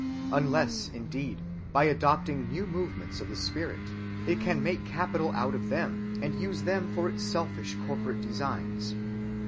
Unless, indeed, by adopting new movements of the spirit it can make capital out of them and use them for its selfish corporate designs!